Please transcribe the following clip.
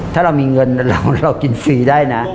ถ้าเรามีเงินเรากินฟรีได้นะ